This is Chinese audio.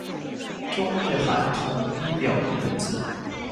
中日韩统一表意文字。